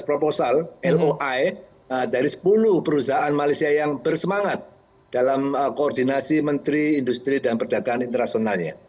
proposal loi dari sepuluh perusahaan malaysia yang bersemangat dalam koordinasi menteri industri dan perdagangan internasionalnya